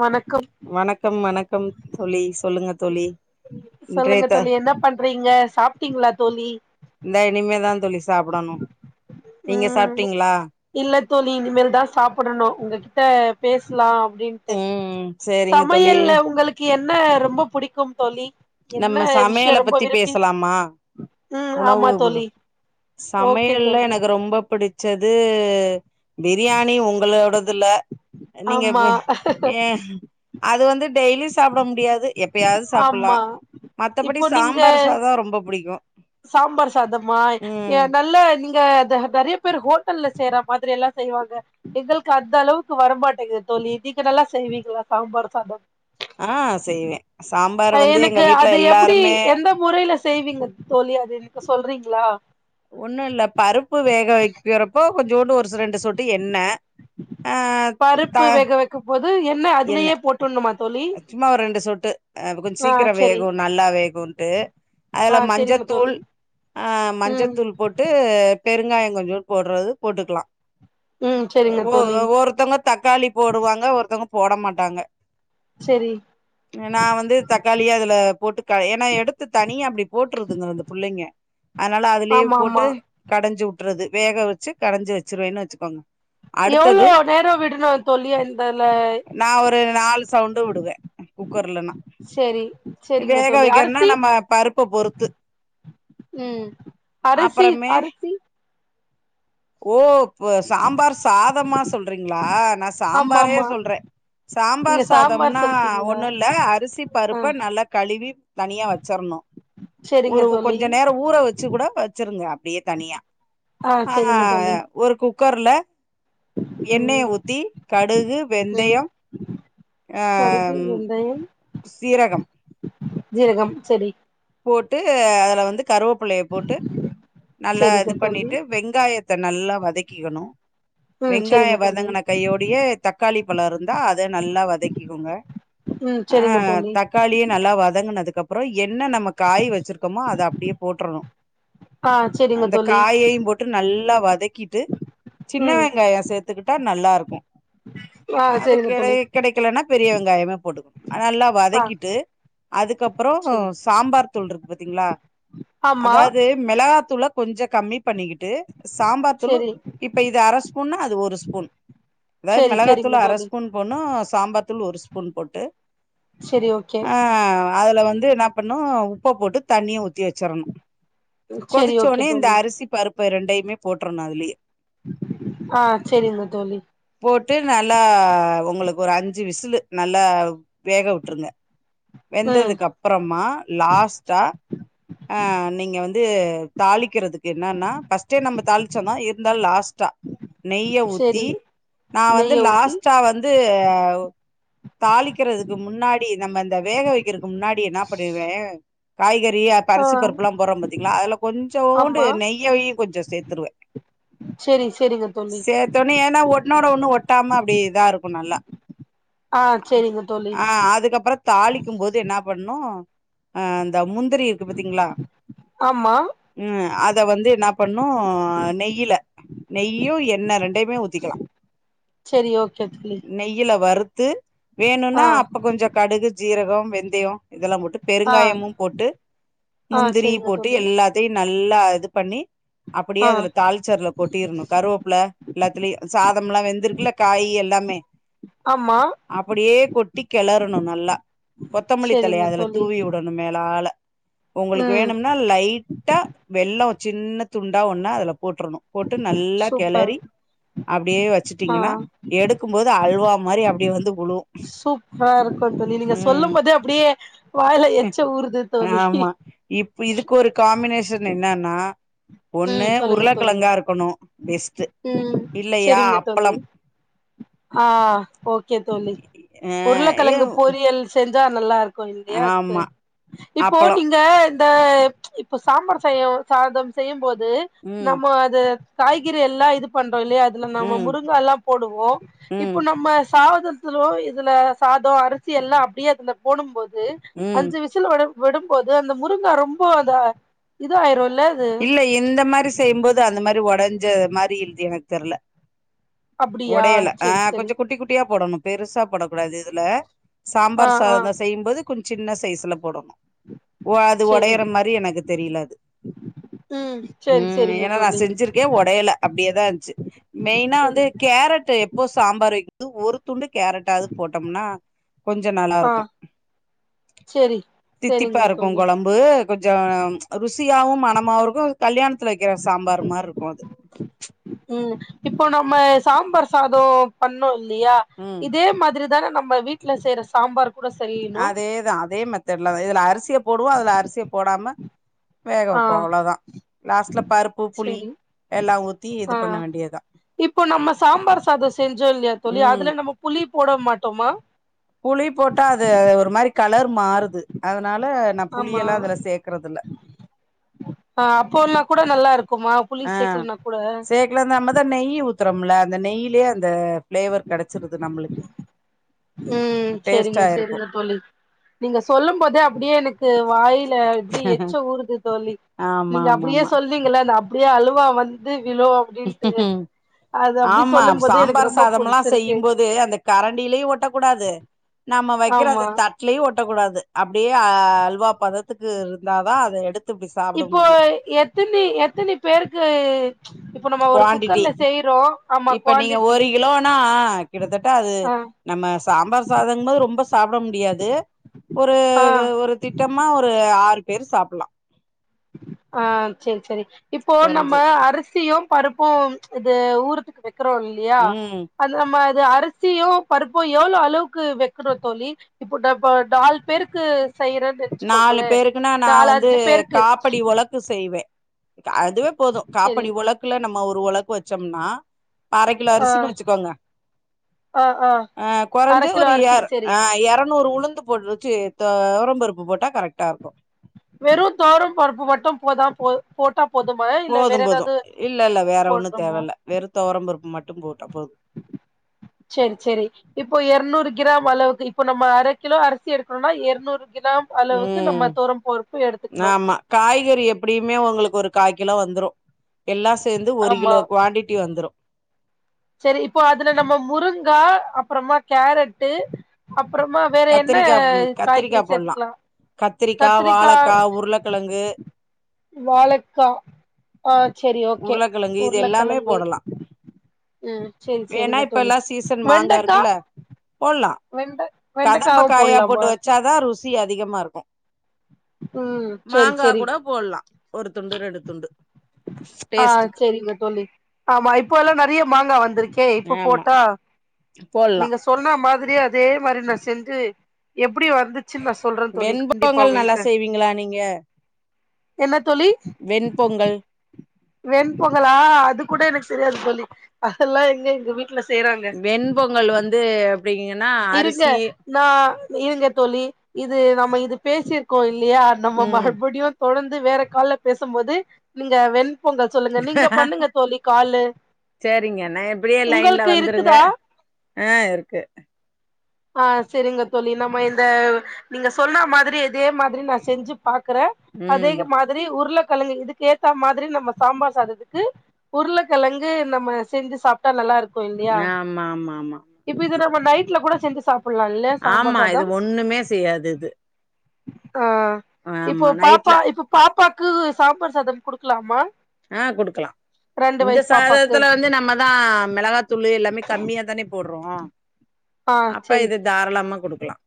வணக்கம் வணக்கம் வணக்கம் தோழி சொல்லுங்க தோழி இன்றைய சொல்லுங்க த தோழி என்ன பண் சாப்றீங்க சாப்ட்டீங்களா தோழி இந்த இனிமே தா தோழி சாப்டணு நீங்க ம் சாப்ட்டீங்களா இல்ல தோழி இனிமேல் தா சாப்டணு உங்ககிட்ட பேசலா அப்டின்ட்டு ம் சேரிங்க தோழி சமையல்ல உங்களுக்கு என்ன என்ன ரொம்ப புடிக்கும் தோழி என்ன நம்ம விஷயோ சமையல ரொம்ப பத்தி விரும்பி பேசலாமா ம் ஆமா உணவு தோழி ஓகே சமையல்ல தோழி எனக்கு ரொம்ப புடிச் து பிரியாணி உங்களோடதுல நீங்க ஆமா அது வந்து டெய்லி சாப்ட முடியாது எப்ப எப்பயாது ஆமா சாப்டலாம் மத்தபடி இப்போ நீங்க சாம்பார் சாதம் ரொம்ப புடிக்கும் சாம்பார் சாதமா ஏ நல்லா நீங்க ங்க நெறைய பேர் ஹோட்டல்ல செய்ற மாதிரி எல்லாம் செய்வாங்க எங்களுக்கு அந்த அளவுக்கு வரமாட்டேங்குது தோழி நீங்க நல்லா செய்வீங்களா சாம்பார் சாதம் ஆ செய்வேன் எனக்கு அது எப்டி எந்த முறையில செய்வீங்க தோழி அது எனக்கு சொல்றீங்க ங்களா ஒண்ணும் இல்ல பருப்பு வேக வைக்கறப்போ கொஞ்சோன்டு ஒரு ரெண்டு சொட்டு எண்ணெ ஆ பருப்பு வேக வைக்கும் போது என்ன எண்ணெ அதுலயே போட்டுணுமா தோழி சும்மா ஒரு ரெண்டு சொட்டு கொஞ்சம் ஆ சீக்கிரம் செரி வேகு நல்லா வேகுன்ட்டு ஆ அதுல செரிங்க மஞ்சத்தூள் தோழி ஆ ம் மஞ்சத்தூள் போட்டு பெருங்காயம் கொஞ்ச போடுறது போட்டுக்கலாம் ம் செரிங்க ஒ தோழி ஒருத்தங்க தக்காளி போடுவாங்க ஒருத்தங்க போட மாட்டாங்க செரி நான் வந்து தக்காளிய அதுல போட்டு ஏன்னா எடுத்து தனிய அப்டி போட்டுருதுங்க அந்த பிள்ளைங்க அதனால அதுலயே ஆமா போட்டு ஆமா கடைஞ்சு விட்டு றது வேக வச்சு கடைஞ்சு வச்சுருவேன்னு வச்சுக்கோங்க அடுத்தது எவ்ளோ நேரம் விடணும் தோழி இந்தல நான் ஒரு நாலு சவுண்ட் விடுவேன் குக்கர்லன்னா செரி செரிங்க வேக தோழி வைக்கிறேனா அரிசி நம்ம பருப்ப பொருத்து ம் அரிசி அப்புறமே அரிசி ஓ இ சாம்பார் சாதமா சொல்றீங்களா நான் ஆமா சாம்பாரே ஆமா சொல்றேன் நீங்க சாம்பார் சாம்பார் சாதம்னா சொல்ட்டீங்களா ஒண்ணும் இல்ல அரிசி ஆ பருப்ப நல்லா கழுவி தனியா வச்சுறணும் செரிங்க ஒரு தோழி கொஞ்ச நேரம் ஊற வச்சு கூட வச்ச இருங்க அப்படியே தனியா ஆ செரிங்க தோழி ஆஹ் ஒரு கு குக்கர்ல ம் எண்ணெய ஊத்தி கடுகு வெந்த கடுகு வெந்தயம் சீரகம் ஜீரகம் சரி போட்டு அதுல வந்து கருவேப்பிள்ளைய போட்டு நல்லா செரிங்க இது தோழி பண்ணிட்டு வெங்காயத்தை நல்லா வதக்கிக்கணும் ம் செரிங்க வெங்காயம் தோழி வதங்குன கையோடையே தக்காளி பழம் இருந்தா அதை நல்லா வதக்கிக்கோங்க ம் செரிங்க ஆஹ் தோழி தக்காளியு நல்லா வதங்குனதுக்கு அதுக் அப்புறோ எண்ணெ நம்ம காய வெச்சிருக்கோமோ அத அப்டியே போட்றனும் ஆ செரிங்க அந்த தோழி காயையு போட்டு நல்ல ல்ல வதக் க்கிட்டு சின்ன ம் வெங்காயோ சேத்துக்கிட்டா நல்லா இருக்கும் ஆ அது செரிங்க கெட தோழி கெடைக்கலன்னா பெரிய வெங்காயமே போட்டுக்கணும் நல்லா ஆ வதக்கிட்டு அதுக்கப்புறோ செரி சாம்பார் தூள் இருக்கு பாத்தீங்களா ஆமா அதாவது மிளகா தூள கொஞ்சம் கம்மி பண்ணிக்கிட்டு சாம்பார் தூளு செரி இப்ப இது அரை ஸ்பூன்னா அது ஒரு ஸ்பூன் அதாவது செரி மிளகாய் செரிங்க தூள் அரை தோழி ஸ்பூன் போண்ணும் சாம்பத்துள் ஒரு ஸ்பூன் போட்டு சேரி ஓகே ஆ அதுல வந்து என்ன பண்ணு உப்ப போட்டு தண்ணிய ஊத்தி வெச்சிறணும் செரி கொதிச்ச ஓகே ஒட்னே இந்த தோழி அரிசி பருப்பு இப்ப ரெண்டயுமே போட்றனோ அதுலயே ஆஹ் செரிங்க தோழி போட்டு நல்லா உங்களுக்கு ஒரு அஞ்சு விசிலு நல்லா வேக விட்ருங்க ம் வெந்ததுக்கு அப்புறமா லாஸ்ட் டா ஆஹ நீங்க வந்து தாளிக்கிறதுக்கு என்னன்னா பஸ்ட்டே நம்ம தாளிச்சோனா இருந்தாலு லாஸ்ட்டா நெய்ய செரி ஊத்தி நா வந்து நெய்ய ஊத்தி லாஸ்ட்டா வந்து தாளிக்கிறதுக்கு முன்னாடி நம்ம இந்த வேக வைக்கிறதுக்கு முன்னாடி என்ன பண்ணிருவே காய்கறி றி அப்போ ஆ அரிசி பருப்பு எல்லா போட்றோ பாத்தீங்களா அதுல கொஞ்சோண்டு ஆமா நெய்யையு கொஞ்சோ சேத்திருவே செரி செரிங்க தோழி சேத்தோனே ஏனா ஒன்னோட ஒன்னு ஒட்டாம அப்டி இதா இருக்கு நல்லா ஆ செரிங்க தோழி ஆஹ் அதுக்கப்பறோ தாளிக்கு போது என்ன பண்ணு ஆஹ் தா முந்திரி இருக்கு பத்தீங்களா ஆமா உம் அத வந்து என்ன பண்ணு அ நெய்யில நெய்யு எண்ண ரெண்டயுமே ஊத்திக்கலா செரி ஓகே தோழி நெய்யில வறு த்து வேணுன்னா ஆ அப்ப கொஞ்சோ கடுகு ஜீரகோ வெந்தயோ இதெல்லா போட்டு ஆ பெருங்காயமு போட்டு ஆ முந்திரி செரிங்க போட்டு தோழி எல்லாத்தையு நல்லா இது பண்ணி அப்டியே ஆ அதுல தாள்ச்சி அதுல கொட்டிறனு கருவேப்புல எல்லாத்துலயு சாதமெல்லா வெந்திருக்குல காய் எல்லாமே ஆமா அப்டியே கொட்டி கெலறனு நல்லா கொத்தமல்லி தழைய செரிங்க அதுல தோழி ஊத்திவுடனு மேலால உங்களுக்கு ம் வேணும்னா லைட்டா வெல்லொ சின்ன துண்டா ஒன்ன அதில போட்ரனு போட்டு நல்லா சூப்பர் கெளறி அப்டியே ஆ வெச்சுட்டீங்கனா எடுக்கு போது அல்வா மாரி அப்டியே வந்து ஊழுவு சூப்பரா இருக்கு தோழி நீங்க உம் சொல்லும் போதே அப்டியே வாயில எச்ச ஊறுது தோழி இப்ப இதுக்கு ஒரு காம்பினேஷன் என்னனா ஒண்ணு உருளக்கெழங்கா இருக்கணு பிஸ் உம் செரிங்க தோழி ஆ ஓகே தோழி அ ஏ உருளக்கெழங்கு பொறியல் செஞ் சா நல்லா இருக் கு இல்லையா அதுக்கு ஆமா இப்போ அப்பளம் நீங்க இந்த சாம்பார் செய்யவு சாதம் செய்யு போ து ம் நம்ம அது காய்கெ றி எல்லா இது பண் றோ இல்லையா அதுல நாம ம் முருங்கெ எல்லா போடுவோ இப்போ ம் நம்ம சாவாதத்திலு இதுல சாதோ அரிசி எல்லா அப்டியே அதுல போடும் போ து ம் அஞ்சு விசில் ஒட விடும்போது அந்த முருங்கா ரொம்ப அந்த இதா ஆயிரு இல்ல இந்த மாரி செய்யுபோது அந்த மா ரி ஒடஞ்ச மாரி இழுது எனக்கு தெர்ல அப்டியா ஒடயல செரி ஆஹ் செரி கொஞ்சோ குட்டி குட்டியா போடணு பெருசா போட கூடாது இதுல ஆ சாம்பார் ச ஆ செய்யும்போது கொஞ்சம் சின்ன சைஸுல போடணோ ஓ அது செரி உடையற மாதிரி எனக்கு தெரியலது ம் செரி உஹம் செரிங்க ஏன்னா நான் தோழி செஞ்சிருக்கேன் உடையல அப்படியேதான் இருந்துச்சு மெயினா வந்து செரி கேரட் எப்போ சாம்பார் வது ஒரு துண்டுக்கு கேரட்டாவது போட்டோம்னா கொஞ்சோ நல்லா ஆ இருக்கோ செரி தித்திப்பா செரிங்க இருக்கோ தோழி கொழம்பு கொஞ்சோ ருசி சியாவும் மனம் அவருக்கும் கல்யாணத் வைக்கிற சாம்பார் மாதிரி இருக்கும் அது ம சாம்பார் சாதம் பண்ணோ இல் லையா ம் இதே மாதிரி இதான நம்ம வீட்ல செய்ற சாம்பார் கூட செய்யணு அதேதான் அதே மெத்தட்ல தான் இதுல அரிசிய போடுவோம் அதுல அரிசிய போடாம வேக வைப்போ ஆஹ் அவ்ளோதா லாஸ்ட்ல பருப்பு புளி சரி எல்லா ஊத்தி இது பண்ண ஆஹ் வேண்டியதா இப்போ நம்ம சாம்பார் சாதம் செஞ்சோம் இல்லையா தழி ம் அதுல நம்ம புளி போட மாட்டோமா புளி போட்டா அது ஒரு மாரி கலர் மாறுது அத ஆமா ஆ அப்போன்னா கூட நல்லாருக் ஆ சேக்கல நம்மதா நெய் ஊ த்தறம்ல அந்த நெய்யிலயே அந்த ஃபிளேவர் கெடைச்சிருது நம்ளுக் உம் சரிங்க சரிங்க தோழி நீங்க சொல்லும் போதே அப்படியே எனக்கு வாயில எப்படி எச்ச ஊறுது தோழி ஆமா நீங்க ஆமா அப்படியே சொல்வீங்கள அ ப்படியே அழுவா வந்து விழு அப்டின்ட்டு அது அப்டி ஆமா சொல்லும் போது எனக்கு சாம்பார் ரொம்ப சாதம் எல்லா புடிச்சிருக்கு செய்யும்போது அந்த கரண்டிலயும் ஓட்ட கூடாது நம்ம வைக்கிற ஆமா அந்த தட்லயு ஒட்டக்க கூடாது அப்படியே அல்வா பதத்துக்கு இருந்தா தா அத எடுத் இப்போ எத்தனைி எத்தனைி பேருக்கு இப்ப நம்ம ஒரு குவாண்டிட்டி குக்கர்ல செய்றோ ஆமா இப்ப நீங்க குவான்டிட்டி ஒரு கிலோனா கிட்டத்தட்ட அது ஆ நம்ம சாம்பார் சாதங்கது ரொம்ப சாப்பிட முடியாது ஒரு ஆ ஒரு திட்டமா ஒரு ஆறு பேர் சாப்பலா ஆ சரி சரி இப்போ நம்ம கொறஞ்சு அரிசியு பருப்பு இது ஊரத்துக்கு வைக்கறோ இல்லியா ம் அது நம்ம அரசியு பருப்பு எவ்ளோ அளவுக்கு வெக்கணு தோழி இப்ப டப்ப நாலு பேருக்கு செய்யறேன்னு நாலு நெனச்சுக்கோங்களே பேருக்குன்னா நா நாலு வந்து அஞ்சு பேருக்கு காப் ப்படி ஒலக்கு செய் வெ அதுவே போது சேரி காப்படி ஒலக்குல நம் ஒரு ஒலக்கு வெச்சம்னா அர கிலோ ஆ அரிசின்னு வெச்சுக்கோங்க ஆ அர கொறஞ்சுது கிலோ ஒரு அரிசி எர சேரி ஆ எர நூறு உளுந்து போடு ச்சி தெவரம்பருப்பு போட்டா கரெக்டா இருக்கு வெறு தொவரம்பருப்பு மட்டும் போதா போது போட்டா போதுமா இல்ல வேற போதும் போது ஏதாவது இல்லல்ல வேற ஒண்ணு தேவ போடணுமா இல்ல வெறு தொவரம்பருப்பு மட் டு போட்டா போது செரி செரி இப்போ எரநூறு கிராம் அளவுக்கு இப்போ நம்ம அரக்கிலோ அரிசி எடுக்கறனா எரநூறு கிராம் அளவுக்கு உம் நம்ம துவரம் பருப்பு எடுத்துக்கணு ஆமா காய்கறி எப்டியுமே உங்களுக்கு ஒரு காய்க் கிலோ வந்துரு எல்லா சேந்து ஒரு ஆமா கிலோ குவாண்டிட்டி வந்துரு செரி இப்போ அதுல நம்ம முருங்கா அப்பறமா கேரட்டு அப்பறமா வேற என்ன கத்திரிக்கா ம் காய்கறி கத்திரிக்கா போட்லா சேத்துக்லா கத்திரிக்கா வாழக்கா உருளக்கெழங்கு வாழக்கா ஆஹ் செரி ஓகே உருளக்கெழங்கு இது எல்லாமே உருளக்கெழங்கு போடலா உம் செரி ஏன்னா செரிங்க இப்ப தோழி எல்லா வெண்டக்கா லா வெண்ட கதம்ப வெண்டைக்காவு காயா போட்டு போடலாமா வச்சாதா ருஸ் சி அதிகமா இருக்கு உம் செரி மாங்கா செரி கூட போட்லா ஒரு துண்டு ரெண்டு துண்டு ஆஹ் டேஸ்ட்டுக்கு செரிங்க தோழி ஆமா இப்போல்லா நெறயா மாங்கா வந்திருக் கே இப்ப ஆமா போட்டா போட்லா நீங்க சொன்னா மாதிரியா அதே மாரி நா செஞ்சு எப் வெண்பொங்கல் நல்லா செய்வீங்களா நீங்க எனத் வெண் பொங்கல் வெண் பொங்கலா அது கூட எனக்கு தெரியாது தோ ழி அதெல்லா எங்க எங்க வீட் வெண் பொங்கல் வந்து எப்டிங்கன்னா இருங்க அரிசி நா இருங்க தோழி இது நம்ம இது பேசிருக்கோ இல் ல்லயா நம்ம ம் மறுபடியு தொடர்ந் து வேற கால்ல பேசம் போது நீங்க வெண் பொங்க சொல்லுங்க நீங்க பண்ணுங்க தோழி காலு சரிங்க நா இப்டியே லைன்ல உங்களுக்கு வந்துருங்க இருக்குதா ஆ இருக்கு ஆஹ் சரிங்க தோழி நம்ம இந்த நீங்க சொன்ன மாதிரி இதே மாதிரி நா செஞ்சு பாக்குற ம் அதேக மாதிரி உருள கெழங்கு இதுக்கு ஏத்த மாதிரி நம்ம சாம்பார் சாதத்துக்கு உருளக்கெழங்கு நம்ம செஞ்சு சாப்ட்டா நல்லா இருக் கு இல்லையா ஆமா ஆமா ஆமா இப்ப இத நம் ம்ம நைட்ல கூட செஞ்சு சாப்பிடலா இல்லையா சாம்பார் ஆமா இது சாதம் ஒண்ணுமே செய்யாது இது ஆ இப்போ ஆமா நைட்ல பாப்பா இப்ப பா ப்பாக்கு சாம்பார் சாதம் குடுக்லாமா ஆஹ் குடுக்கலாம் இந்த பாப்பாக்கு சாதத்துல வந்து நம்மதா மிளகாத்தூளு எல்லாமே கம்மியா தானே போட்றோம் ஆ அப்ப செரி இது தாராளமா குடுக்கலாம்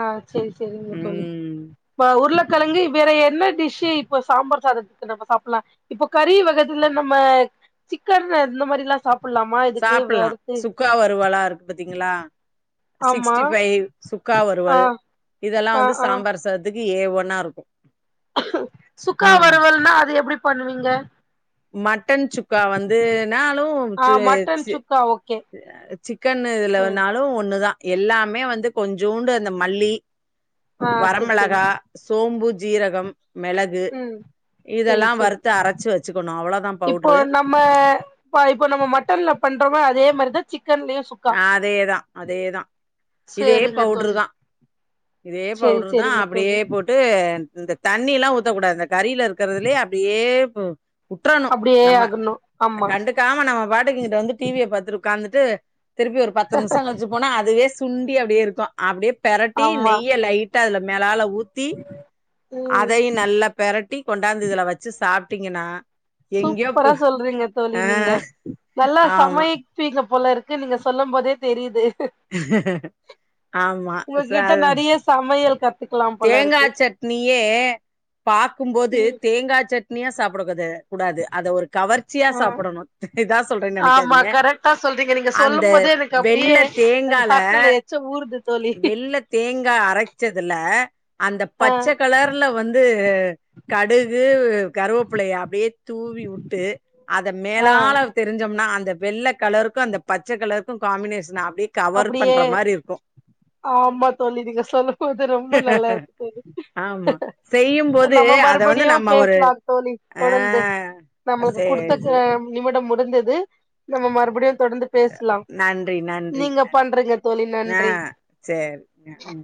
ஆ சேரி சேரிங்க தோழி ம் இப்ப உருள கிழங்கு வேற என்ன டிஷ்சு இப்ப சாம்பார் சாதத்துக்கு நம்ம சாப்பிடலாம் இப்ப கறி வகத்துல நம்ம சிக்கன் இந்த மாரில்லாம் சாப் சாப்புட்லாம் சுக்கா வறுவலா இருக்கு பாத்தீங்களா ஆமா சிக்ஸ்டி ஃபைவ் சுக்கா ஆ வரறுவல் இதெல்லாம் ஆ வந்து ஆ சாம்பார் சாதத் துக்கு ஏ ஒன்னா இருக்கும் சுக்கா வறுவல்னா அது எப்டி பண்ணுவீங்க மட்டன் சுக்கா வந்துனாலும் ஆ சு மட்டன் சி சுக்கா ஓகே சிக்கன் ம் இதுலனாலும் ஒண்ணு தா எல்லாமே வந்து கொஞ்சோண்டு அந்த மல்லி ஆ செரி செரி வரமெளகா சோம்பு ஜீரகம் மிளகு ம் இதெல்லா செரி செரி வறுத்து அரைச்சு வச்ச இப்போ நம்ம இப்போ நம்ம மட்டன்ல பண்றோம அதே மாரிதா சிக்கன்லயு சுக்கா ஆ அதேதா அதேதா இதே சேரிங்க பவுட்ரு தோழி தா இதே சேரி பவுட்ரு தா சேரிங்க தோழி அப்டியே போட்டு இந்த தண்ணி எல்லா ஊத்தக்கூடாது கறில இருக்கறதிலயே அப்டியே ம் உட்றணும் அப்டியே நம்ம ஆகணு ஆமா கண்டுக்காம நம்ம பாட்டுக்கு இங்கிட்டு வந்து டிவிய பாத்துட்டு உக்காந் ட்டு திருப்பி ஒரு பத்து நிமிசம் கழிச்சி போனா அது வேஸ் சுண்டி அப்டியே இருக்கும் அப்டியே பெரட்டி ஆமா நெய்ய லைட் டா அதுல மேலால ஊ ஊத்தி ம் அதயும் நல்லா பெரட்டி கொண்டாந்து இதுல வச்சு சாப் ட்டீங்கன்னா சூப்பரா சொல்றீங்க தோழி நீங்க நல்லா ஆமா சமைப்பீங்க போல இருக் க்கு நீங்க சொல்லும் போதே தெரியிது. ஆமா ச உங்ககிட்ட நெறைய சமையல் கத்துக்கலாம் போல தேங்கா இருக்கு சட்னியே பாக்கும்போது ம் தேங்கா சட்னி தனியா சாப்பிடக் குத் கூடாது அதை ஒரு கவர்ச்சியா ஆ சாப்புடணு இதா சொல்றேன்னு ஆமா நெனைக்காதீங்க கரெக்டா சொல்றீங்க நீங்க அந்த சொல்லும் போதே எனக்கு வெள்ள அப்டியே தேங்கால நாக்குல எச்ச ஊறுது தோழி வெள்ள தேங் தேங்கா அரைச்சதுல அந்த ஆ பச்ச கலர்ல வந்து ஆ கடுகு கருவேபிளைய அப்டியே தூவி வுட்டு அத ஆ மேலால தெரிஞ்சோம்னா அந் இந்த வெள்ள கலர்க்கு அந்த பச்ச கலர்க்கு காம்மினேஷன் அப் அப்டியே ஆமா தோளி நீங்க சொல்லபோது ரொம் ரொம்ப நல்லா இருக்கு தோளி ஆமா செய்யும்போது நம்ம அத வந்து மறுபடியும் நம்ம ஒரு பேசலா தோளி ஆ தொடந்து சேரி நம்பளுக்கு சேரி குடுத்த நிமி விட முடிந்தது நம்ம மறுபடியு தொடர்ந்து பேசலா நன்றி நன்றி நீங்க நன்றி பண்றிங்க தோளி ஆ நன்றி சேரி ம்